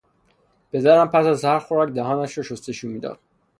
پدرم پس از هر خوراک دهانش را شستشو میداد.